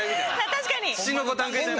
確かに！